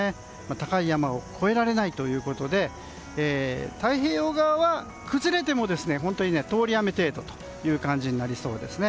高い山を越えられないということで太平洋側は崩れても通り雨程度という感じになりそうですね。